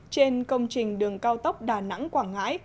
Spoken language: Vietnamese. trên công trình đường cao tốc đà nẵng quảng ngãi